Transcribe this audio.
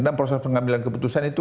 dan proses pengambilan keputusan itu